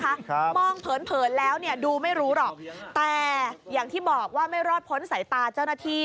ครับมองเผินเผินแล้วเนี่ยดูไม่รู้หรอกแต่อย่างที่บอกว่าไม่รอดพ้นสายตาเจ้าหน้าที่